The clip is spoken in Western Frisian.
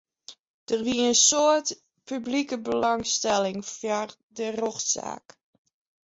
Der wie in soad publike belangstelling foar de rjochtsaak.